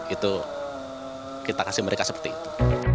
itu kita kasih mereka seperti itu